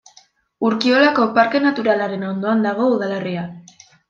Urkiolako Parke Naturalaren ondoan dago udalerria.